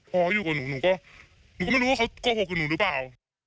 พอเขาอยู่กับหนูหนูก็หนูก็ไม่รู้ว่าเขาโกหกกับหนูหรือเปล่า